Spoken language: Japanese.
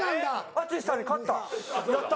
淳さんに勝った！